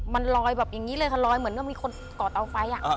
มันลอยแบบอย่างนี้เลยค่ะลอยเหมือนมีคนกอดเตาไฟ